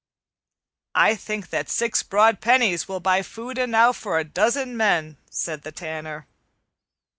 "I think that six broad pennies will buy food enow for a dozen men," said the Tanner.